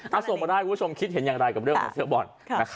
ถ้าส่งมาได้คุณผู้ชมคิดเห็นอย่างไรกับเรื่องของเสื้อบอล